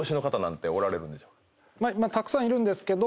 たくさんいるんですけど。